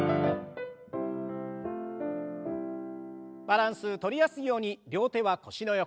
バランスとりやすいように両手は腰の横。